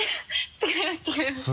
違います。